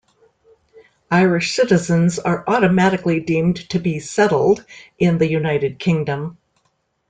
Irish citizens are automatically deemed to be "settled" in the United Kingdom.